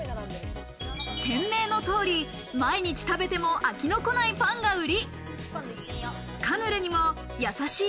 店名の通り、毎日食べても飽きのこないパンが売り。